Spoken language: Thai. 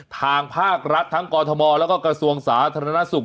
ทางภาครัฐทั้งกอทมแล้วก็กระทรวงสาธารณสุข